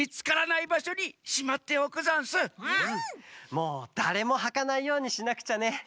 もうだれもはかないようにしなくちゃね。